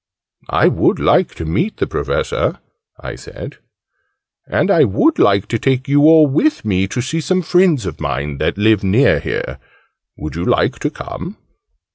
"I would like to meet the Professor," I said. "And I would like to take you all with me, to see some friends of mine, that live near here. Would you like to come?"